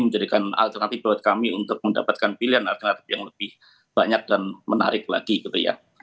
menjadikan alternatif buat kami untuk mendapatkan pilihan alternatif yang lebih banyak dan menarik lagi gitu ya